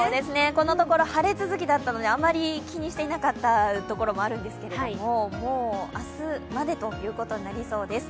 このところ、晴れ続きだったのであまり気にしていなかったところもあるんですけど、もう明日までということになりそうです。